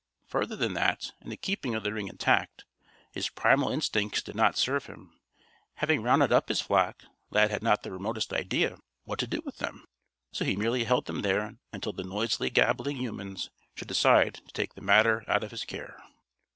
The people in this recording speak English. Further than that, and the keeping of the ring intact, his primal instincts did not serve him. Having rounded up his flock Lad had not the remotest idea what to do with them. So he merely held them there until the noisily gabbling humans should decide to take the matter out of his care.